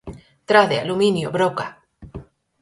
Trade, aluminio, broca.